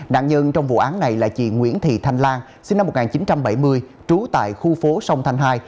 nạn nhân trong vụ án này là chị nguyễn thị thanh lan sinh năm một nghìn chín trăm bảy mươi trú tại khu phố sông thanh hai